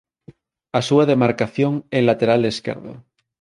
A súa demarcación é lateral esquerdo.